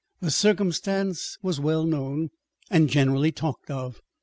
The circumstance was well known, and generally talked of.